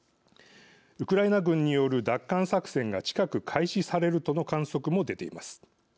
ウクライナ軍による奪還作戦が近く開始されるとの観測も出ています。